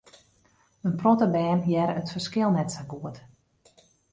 In protte bern hearre it ferskil net sa goed.